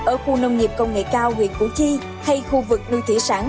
ở khu nông nghiệp công nghệ cao huyện củ chi hay khu vực nuôi thủy sản